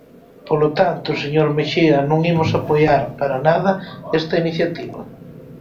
Polo tanto, señor Mexía, non imos apoiar, para nada, esta iniciativa.